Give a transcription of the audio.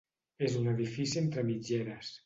És un edifici entre mitgeres.